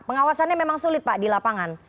pengawasannya memang sulit pak di lapangan